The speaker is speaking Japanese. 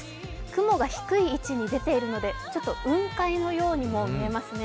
雲が低い位置に出ているので雲海のようにも見えますね。